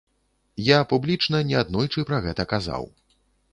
Я публічна неаднойчы пра гэта казаў.